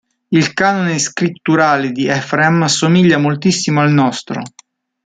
Il canone scritturale di Efrem somiglia moltissimo al nostro.